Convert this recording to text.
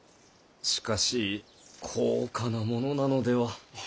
しかし高価なものなのでは。